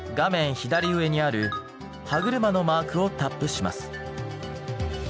左上にある歯車のマークをタップします。